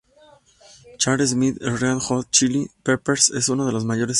Chad Smith de Red Hot Chilli Peppers es uno de sus mayores influencias.